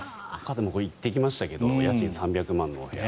行ってきましたけど家賃３００万のお部屋。